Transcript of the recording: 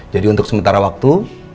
jadi untuk sementara waktu